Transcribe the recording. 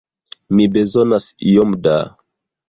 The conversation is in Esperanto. Mi bezonas iom da...